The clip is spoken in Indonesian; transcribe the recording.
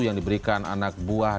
yang diberikan anak buah